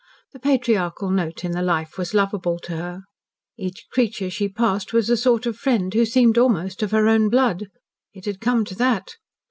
The patriarchal note in the life was lovable to her. Each creature she passed was a sort of friend who seemed almost of her own blood. It had come to that.